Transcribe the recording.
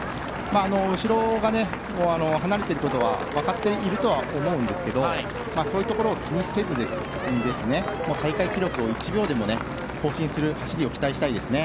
後ろが離れていることはわかっているとは思うんですけどそういうところを気にせずに大会記録を１秒でも更新する走りを期待したいですね。